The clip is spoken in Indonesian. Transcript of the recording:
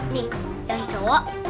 nih yang cowok